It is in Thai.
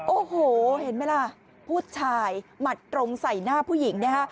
โอ้โหเห็นไหมล่ะผู้ชายหมัดตรงใส่หน้าผู้หญิงนะฮะ